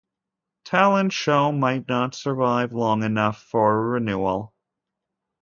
Talent show might not survive long enough for a renewal.